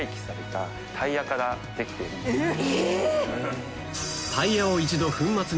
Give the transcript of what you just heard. え！